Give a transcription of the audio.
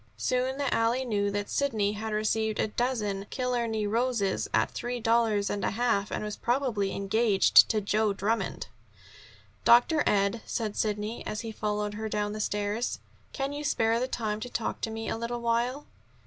Soon the alley knew that Sidney had received a dozen Killarney roses at three dollars and a half, and was probably engaged to Joe Drummond. "Dr. Ed," said Sidney, as he followed her down the stairs, "can you spare the time to talk to me a little while?"